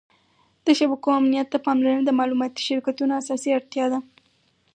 د شبکو امنیت ته پاملرنه د معلوماتي شرکتونو اساسي اړتیا ده.